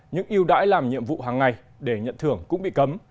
những yêu đãi làm nhiệm vụ hàng ngày để nhận thưởng cũng bị cấm